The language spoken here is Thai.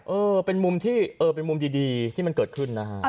เออเป็นมุมที่เออเป็นมุมดีที่มันเกิดขึ้นนะฮะ